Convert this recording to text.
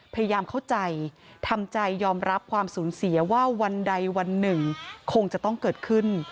พยายามเข้าใจทำใจยอมรับความสูญเสียว่าวันใดวันหนึ่งคงจะต้องเกิดขึ้น